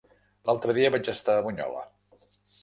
L'altre dia vaig estar a Bunyola.